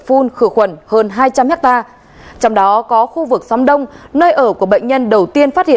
phun khử khuẩn hơn hai trăm linh hectare